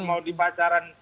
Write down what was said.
mau di pacaran